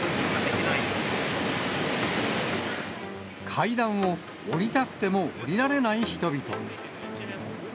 階段を下りたくても下りられない人々。